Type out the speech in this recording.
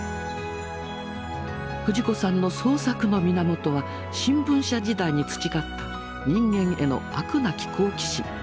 藤子さんの創作の源は新聞社時代に培った人間への飽くなき好奇心。